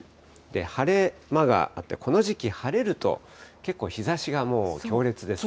晴れ間があって、この時期、晴れると、結構日ざしがもう強烈です